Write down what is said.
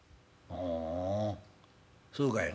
「ああそうかい」。